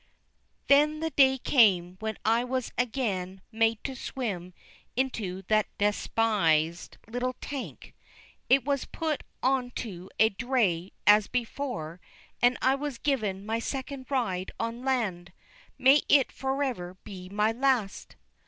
Then the day came when I was again made to swim into that despised little tank. It was put on to a dray as before, and I was given my second ride on land. May it forever be my last!